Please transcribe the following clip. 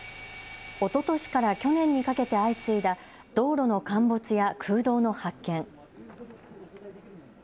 おととしから去年にかけて相次いだ道路の陥没や空洞の発見。